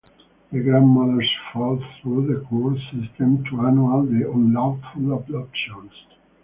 The Grandmothers fought through the court systems to annul the unlawful adoptions.